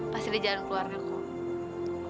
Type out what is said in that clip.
pasti ada jalan keluarnya kok